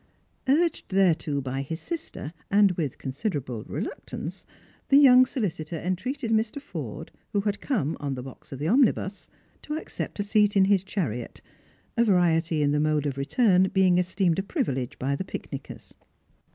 Urged thereto by his sister, and with considerable reluctan..;<;, the young sohcitor entreated Mr. Forde, who had come on the box of the omnibus, to accept a seat in his chariot — a variety in the mode of return being esteemed a privilege by the picnickers.